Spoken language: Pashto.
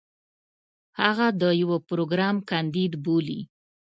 هغه د يو پروګرام کانديد بولي.